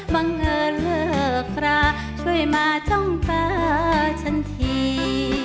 บังเอิญเลิกราช่วยมาจ้องตาฉันที